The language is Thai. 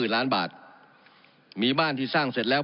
ล้านบาทมีบ้านที่สร้างเสร็จแล้ว